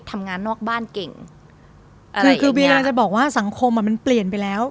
ทำงานนอกบ้านเก่งอ่าคือคือเวลาจะบอกว่าสังคมอ่ะมันเปลี่ยนไปแล้ว